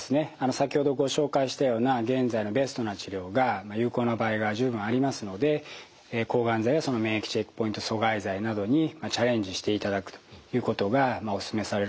先ほどご紹介したような現在のベストな治療が有効な場合が十分ありますので抗がん剤や免疫チェックポイント阻害剤などにチャレンジしていただくということがお勧めされるかと思います。